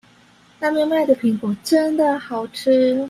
那邊賣的蘋果真的好吃